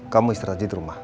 kamu istirahat di rumah